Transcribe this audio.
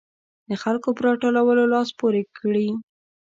د خلکو په راټولولو لاس پورې کړي.